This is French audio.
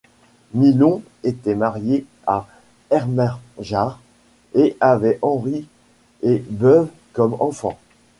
Milon était marié à Ermenjard et avait Henri et Beuve comme enfants.